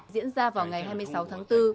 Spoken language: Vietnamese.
diễn ra vào ngày hai mươi sáu tháng bốn